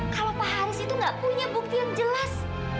kalau pak haris itu nggak punya bukti yang jelas